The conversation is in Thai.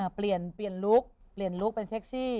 เปลี่ยนลุคเป็นเซ็กซี่